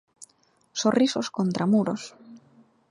Sorrisos contra muros.